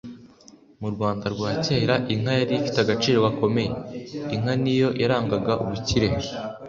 Mu Rwanda rwa kera inka yari ifite agaciro gakomeye. Inka ni yo yarangaga ubukire.